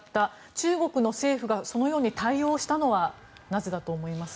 中国の政府がそのように対応したのはなぜだと思いますか。